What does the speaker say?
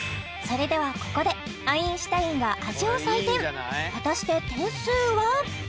それではここでアインシュタインが味を採点果たして点数は？